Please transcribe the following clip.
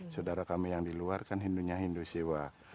saudara kami yang diluar kan hindu nya hindu sewa